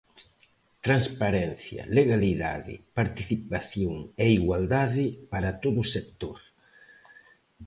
Transparencia, legalidade, participación e igualdade para todo o sector.